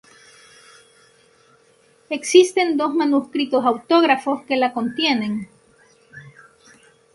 Existen dos manuscritos autógrafos que la contienen.